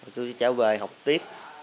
tôi sẽ trở về học tiếp